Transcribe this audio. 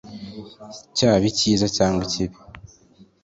cyaba icyiza cyangwa ikibi